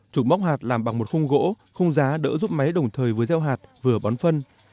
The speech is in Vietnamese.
chụp móc hạt làm bằng một khung gỗ khung giá đỡ giúp máy đồng thời với gieo hạt vừa bón phân